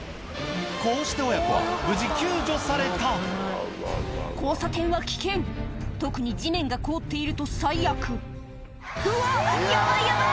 こうして親子は無事救助された交差点は危険特に地面が凍っていると最悪「うわヤバいヤバい！」